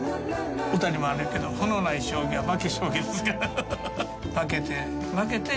歌にもあるけど歩のない将棋は負け将棋ですから。